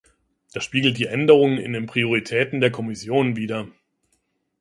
Das spiegelt die Änderungen in den Prioritäten der Kommission wider.